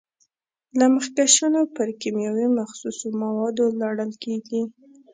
دا مخکشونه پر کیمیاوي مخصوصو موادو لړل کېږي.